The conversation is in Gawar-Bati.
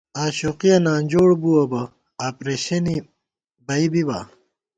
آشوقِیہ نانجوڑ بُوَہ بہ آپرېشِنےبی بِبا